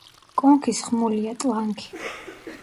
კონქი სხმულია, ტლანქი.